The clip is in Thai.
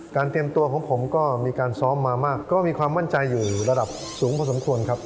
เตรียมตัวของผมก็มีการซ้อมมามากก็มีความมั่นใจอยู่ระดับสูงพอสมควรครับ